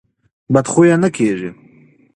بد خویه نه کېږي.